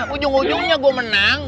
ujung ujungnya gue menang